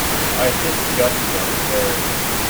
I assisted Gussie down the stairs.